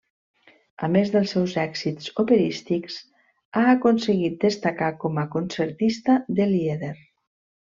A més dels seus èxits operístics, ha aconseguit destacar com a concertista de lieder.